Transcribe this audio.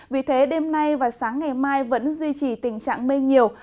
vì thế đêm nay và sáng ngày mai vẫn duy trì tình trạng mây nhiều